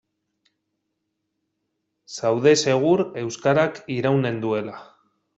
Zaude segur euskarak iraunen duela.